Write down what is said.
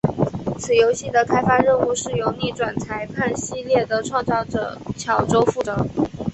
此游戏的开发任务是由逆转裁判系列的创造者巧舟负责。